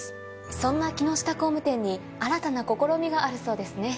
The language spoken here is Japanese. そんな木下工務店に新たな試みがあるそうですね。